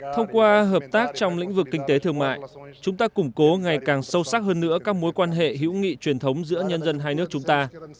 thông qua hợp tác trong lĩnh vực kinh tế thương mại chúng ta củng cố ngày càng sâu sắc hơn nữa các mối quan hệ hữu nghị truyền thống giữa nhân dân hai nước chúng ta